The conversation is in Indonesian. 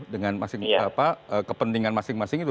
dengan kepentingan masing masing itu